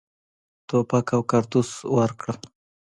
توپک او کارتوس ورکړل.